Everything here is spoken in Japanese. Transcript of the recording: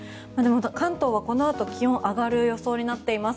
関東はこのあと、気温が上がる予想になっています。